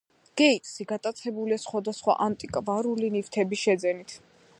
გეიტსი გატაცებულია სხვადასხვა ანტიკვარული ნივთების შეძენით.